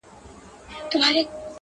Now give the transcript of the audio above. • ټولوي رزق او روزي له لویو لارو,